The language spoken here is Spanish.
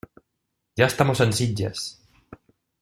Ya estamos en Sitges.